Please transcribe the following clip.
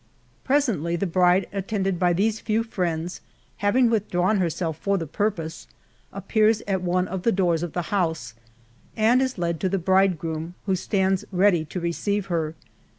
Presently the bride attended by these few friends, having withdrawn herself for the purpose, appears atone of the doors of the house, and is led to the bridegroom, who stands rea dy to receive her.